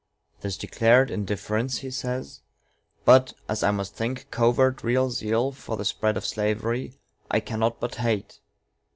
"This declared indifference," he says, "but, as I must think, covert real zeal for the spread of slavery, I cannot but hate.